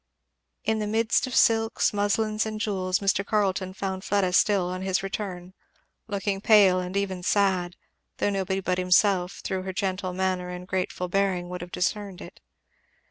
In the midst of silks, muslins and jewels Mr. Carleton found Fleda still on his return; looking pale and even sad, though nobody but himself through her gentle and grateful bearing would have discerned it.